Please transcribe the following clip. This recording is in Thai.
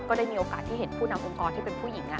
ได้มีโอกาสที่เห็นผู้นำองค์กรที่เป็นผู้หญิง